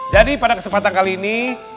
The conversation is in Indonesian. jadi pada kesempatan kali ini